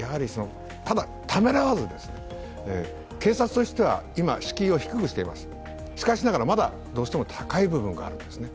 ただ、ためらわず、警察としては今、敷居を低くしています、しかしながらどうしても高い部分があるんですね。